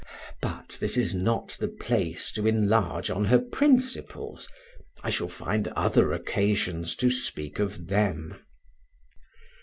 But this is not the place to enlarge on her principles: I shall find other occasions to speak of them.